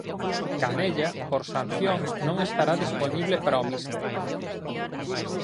Canella, por sanción, non estará dispoñible para o míster.